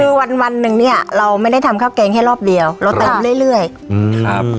คือวันวันหนึ่งเนี้ยเราไม่ได้ทำข้าวแกงแค่รอบเดียวเราเติมเรื่อยเรื่อยอืมครับ